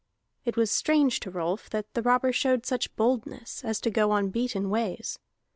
It was strange to Rolf that the robber showed such boldness as to go on beaten ways.